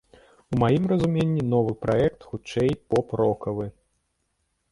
У маім разуменні, новы праект, хутчэй, поп-рокавы.